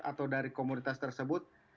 atau dari komunitas tersebut